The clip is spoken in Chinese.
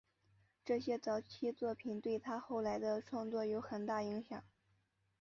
这些早期作品对他后来的创作有很大影响。